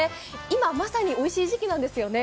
今まさにおいしい時期なんですよね。